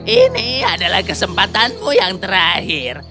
ini adalah kesempatanmu yang terakhir